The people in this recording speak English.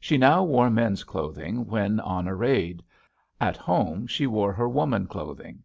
She now wore men's clothing when on a raid. At home she wore her woman clothing.